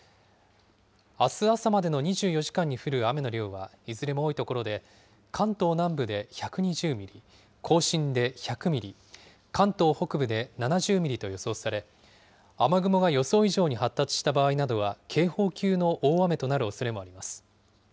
あす朝までの２４時間に降る雨の量は、いずれも多い所で関東南部で１２０ミリ、甲信で１００ミリ、関東北部で７０ミリと予想され、雨雲が予想以上に発達した場合などは警報級の大雨となるおそれもあります。